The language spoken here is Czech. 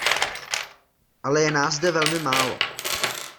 Ale je nás zde velmi málo.